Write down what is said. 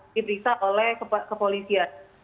dipiksa oleh kepolisian